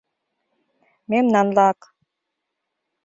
Мемнанлак